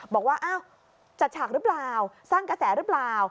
บอกว่าอ้าวจัดฉากหรือเปล่าสร้างกระแสหรือเปล่า